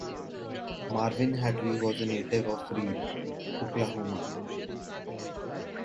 Marvin Hatley was a native of Reed, Oklahoma.